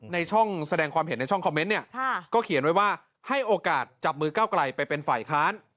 ในช่องแสดงความเห็นในช่องคอมเมนต์เนี่ยก็เขียนไว้ว่าให้โอกาสจับมือก้าวไกลไปเป็นฝ่ายค้าน